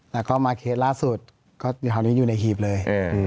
แล้วก็มาเคสล่าสุดก็อยู่แถวนี้อยู่ในหีบเลย